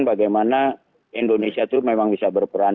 bagaimana indonesia itu memang bisa berperan